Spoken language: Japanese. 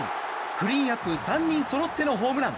クリーンアップ３人そろってのホームラン。